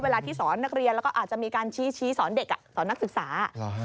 เวลาที่สอนนักเรียนแล้วก็อาจจะมีการชี้สอนเด็กสอนนักศึกษา